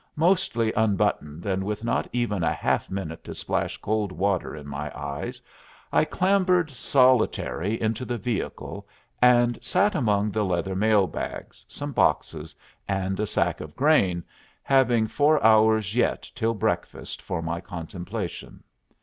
Mostly unbuttoned, and with not even a half minute to splash cold water in my eyes, I clambered solitary into the vehicle and sat among the leather mail bags, some boxes, and a sack of grain, having four hours yet till breakfast for my contemplation.